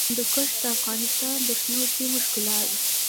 هندوکش د افغانستان د شنو سیمو ښکلا ده.